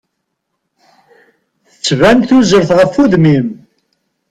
Tettban tuzert ɣef udem-im.